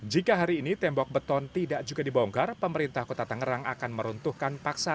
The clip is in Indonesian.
jika hari ini tembok beton tidak juga dibongkar pemerintah kota tangerang akan meruntuhkan paksa